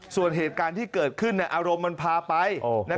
ส่วนเหตุการณ์ที่เกิดขึ้นอารมณ์มันพาไป